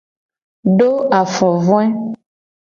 Do afovoe.